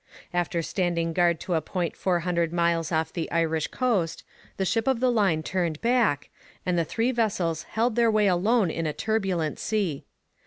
After standing guard to a point four hundred miles off the Irish coast, the ship of the line turned back, and the three vessels held their way alone in a turbulent sea.